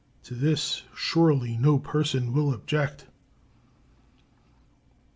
To this surely no person will object.